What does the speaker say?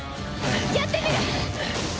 やってみる！